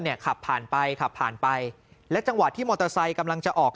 ขับผ่านไปขับผ่านไปและจังหวะที่มอเตอร์ไซค์กำลังจะออก